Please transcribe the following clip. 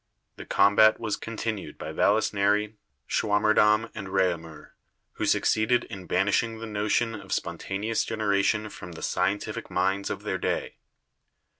The combat was continued by Vallisneri, Schwammerdam and Reaumur, who succeeded in banishing the notion of spontaneous generation from the scientific minds of their day.